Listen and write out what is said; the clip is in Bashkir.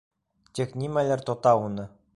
Тик нимәлер тота уны.